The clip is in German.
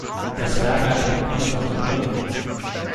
Das Ferkel hat ja noch nichts auf den Rippen.